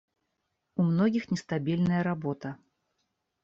У многих нестабильная работа.